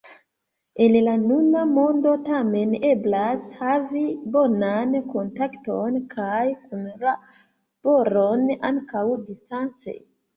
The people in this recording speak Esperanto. En la nuna mondo tamen eblas havi bonan kontakton kaj kunlaboron ankaŭ distance.